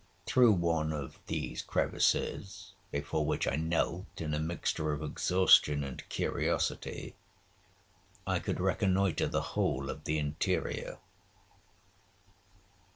Through one of these crevices, before which I knelt in a mixture of exhaustion and curiosity, I could reconnoitre the whole of the interior.